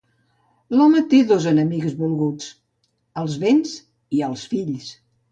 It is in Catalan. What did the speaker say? L'home té dos enemics volguts: els béns i els fills.